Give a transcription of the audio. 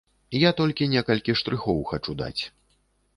Я толькі некалькі штрыхоў хачу даць.